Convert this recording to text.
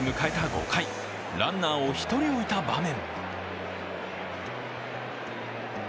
５回ランナーを１人置いた場面。